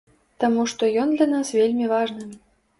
Таму што ён для нас вельмі важны.